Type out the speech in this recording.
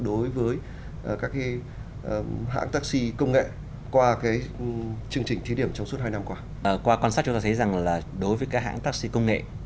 đối với các hãng taxi công nghệ